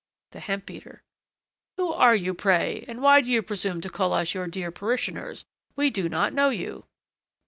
THE HEMP BEATER. Who are you, pray, and why do you presume to call us your dear parishioners? We do not know you.